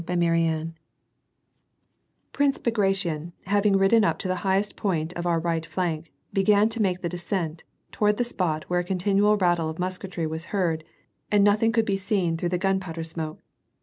CHAPTER XVIIL Prince Bagration, having ridden up to the highest point of our right flank, began to make the descent, toward the spot where a continual rattle of musketry was heard and nothing could be seen through the gunpowder smoke.